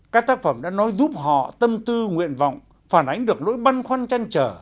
các tác phẩm đã nói giúp họ tâm tư nguyện vọng phản ánh được nỗi băn khoăn chăn trở